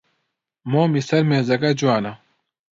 مۆمی سەر مێزەکە جوانە.